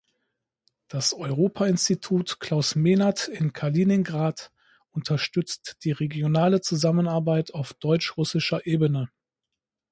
Das Europainstitut Klaus Mehnert in Kaliningrad unterstützt die regionale Zusammenarbeit auf deutsch-russischer Ebene.